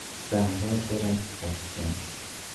صحرا پر است از شن.